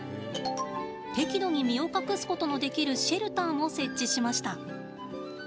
適度に身を隠すことのできるシェルターも設置しました。